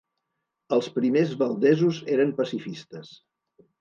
Els primers valdesos eren pacifistes.